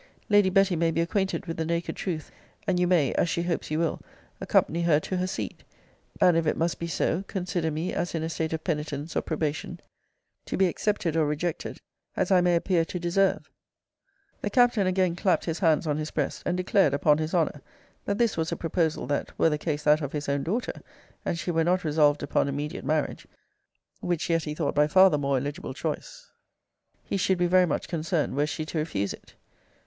Lady Betty may be acquainted with the naked truth; and you may, (as she hopes you will,) accompany her to her seat; and, if it must be so, consider me as in a state of penitence or probation, to be accepted or rejected, as I may appear to deserve. The Captain again clapt his hands on his breast, and declared, upon his honour, that this was a proposal that, were the case that of his own daughter, and she were not resolved upon immediate marriage, (which yet he thought by far the more eligible choice,) he should be very much concerned were she to refuse it.